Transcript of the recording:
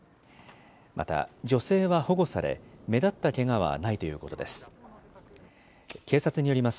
また、女性は保護され、目立ったけがはないということです。